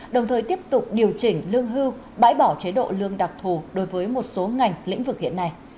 đồng thời tiếp tục điều chỉnh lương hưu bãi bỏ chế độ lương đặc thù đối với một số ngành lĩnh vực hiện nay